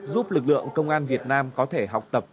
giúp lực lượng công an việt nam có thể học tập